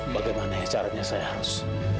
bagaimana caranya saya harus